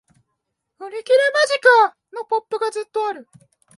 売り切れ間近！のポップがずっとある